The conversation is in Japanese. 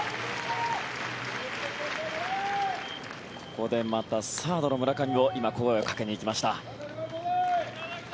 ここで、またサードの村上が今、声をかけに行きました。